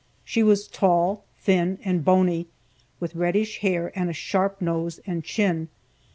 She was tall, thin, and bony, with reddish hair and a sharp nose and chin.